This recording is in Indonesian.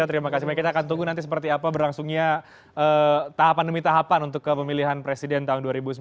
terima kasih kita akan tunggu nanti seperti apa berlangsungnya tahapan demi tahapan untuk pemilihan presiden tahun dua ribu sembilan belas